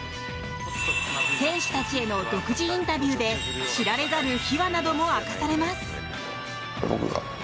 選手たちへの独自インタビューで知られざる秘話なども明かされます。